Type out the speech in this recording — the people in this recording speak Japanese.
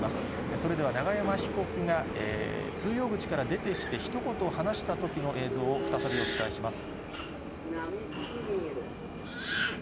それでは、永山被告が通用口から出てきて、ひと言話したときの映像を再びお伝えします。